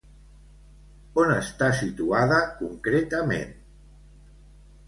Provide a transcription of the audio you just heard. On està situada concretament?